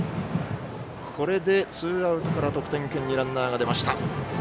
これでツーアウトから得点圏にランナーが出ました。